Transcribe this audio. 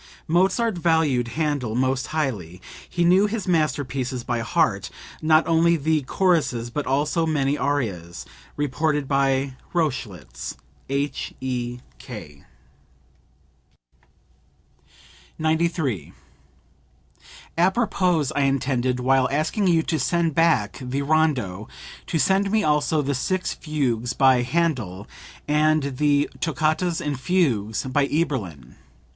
(Mozart valued Handel most highly. He knew his masterpieces by heart not only the choruses but also many arias. [Reported by Rochlitz. H.E.K.]) 93. "Apropos, I intended, while asking you to send back the rondo, to send me also the six fugues by Handel and the toccatas and fugues by Eberlin.